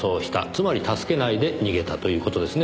つまり助けないで逃げたという事ですねぇ。